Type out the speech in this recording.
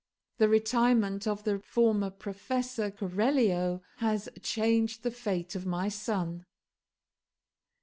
The retirement of the former professor (Keralio) has changed the fate of my son."